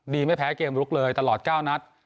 ไม่แพ้เกมลุกเลยตลอด๙นัด